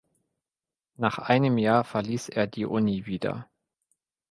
Nach einem Jahr verließ er die Uni wieder.